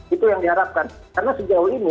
itu yang diharapkan karena sejauh ini